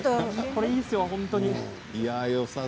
これはいいですよ、本当に。